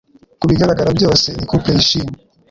Kubigaragara byose, ni couple yishimye